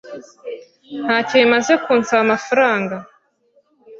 Ntacyo bimaze kunsaba amafaranga.